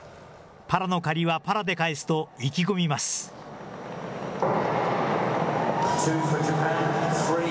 パラの借りはパラで返すと、意気込みます。